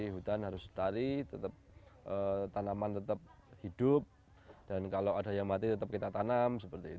hutan harus lestari tanaman tetap hidup dan kalau ada yang mati tetap kita tanam